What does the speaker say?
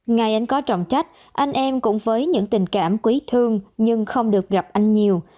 ngày anh có trọng trách anh em cũng với những tình cảm quý thương nhưng không được gặp anh nhiều